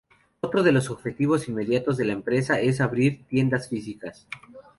Otro de los objetivos inmediatos de la empresa es abrir tiendas físicas.